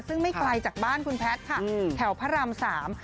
ซึ่งไม่ไกลจากบ้านคุณแพทย์ค่ะแถวพระรามสาม